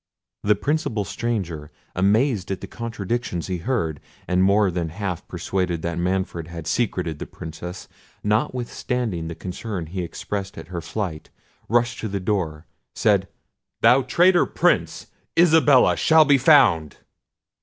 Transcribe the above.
The principal stranger, amazed at the contradictions he heard, and more than half persuaded that Manfred had secreted the Princess, notwithstanding the concern he expressed at her flight, rushing to the door, said— "Thou traitor Prince! Isabella shall be found."